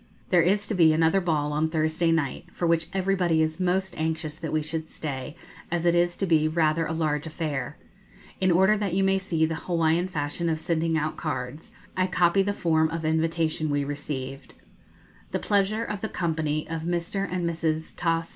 There is to be another ball on Thursday night, for which everybody is most anxious that we should stay, as it is to be rather a large affair. In order that you may see the Hawaiian fashion of sending out cards, I copy the form of invitation we received: _The pleasure of the company of Mr. and Mrs. Thos.